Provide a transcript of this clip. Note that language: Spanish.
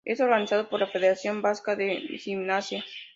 Es organizado por la Federación Vasca de Gimnasia.